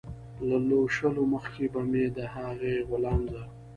له لوشلو مخکې به مې د هغې غولانځه